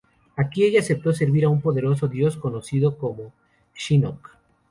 Aquí ella aceptó servir a un poderoso dios conocido como Shinnok.